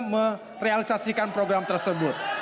merealisasikan program tersebut